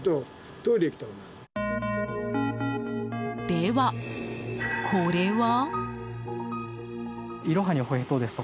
では、これは？